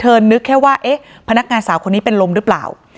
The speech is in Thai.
นึกแค่ว่าเอ๊ะพนักงานสาวคนนี้เป็นลมหรือเปล่า